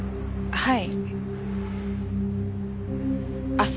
はい。